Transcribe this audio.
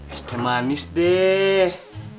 estek manis deh